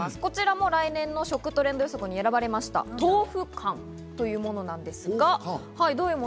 こちらも来年の食トレンド予測に選ばれました、豆腐干というものなんです。